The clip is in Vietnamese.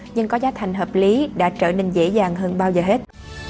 nhưng có giá thành hợp lý đã trở nên dễ dàng hơn bao giờ hết